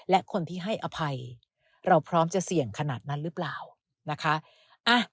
และคนที่ให้อภัยเราพร้อมจะเสี่ยงขนาดนั้นหรือเปล่านะคะ